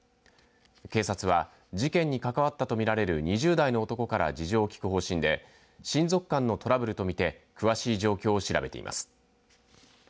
警察は事件に関わったとみられる２０代の男から事情を聴く方針で親族間のトラブルとみて詳しい状況を調べています。